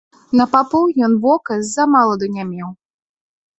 На папоў ён вока ззамаладу не меў.